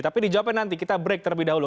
tapi dijawabkan nanti kita break terlebih dahulu